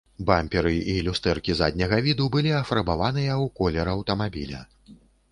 Бамперы і люстэркі задняга віду былі афарбаваныя ў колер аўтамабіля.